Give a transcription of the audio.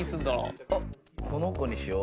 あっこの子にしよう。